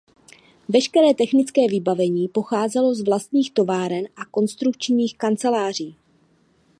Veškeré technické vybavení pocházelo z vlastních továren a konstrukčních kanceláří.